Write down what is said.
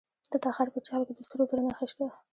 د تخار په چال کې د سرو زرو نښې شته.